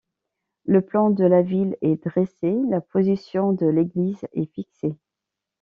Le plan de la ville est dressé, la position de l'église est fixée.